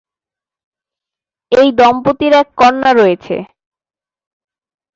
এই দম্পতির এক কন্যা রয়েছে।